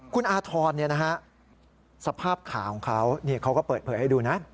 คุณอาธรณ์สภาพขาของเขาเขาก็เปิดเผยให้ดูนะ